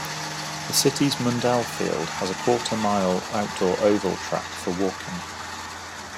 The city's Mundell Field has a quarter-mile outdoor oval track for walking.